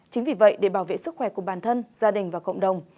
chính vì vậy để bảo vệ sức khỏe của bản thân gia đình và cộng đồng